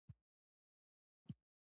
سبزیجات هم پکار دي.